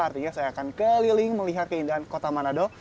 artinya saya akan keliling melihat keindahan kota manado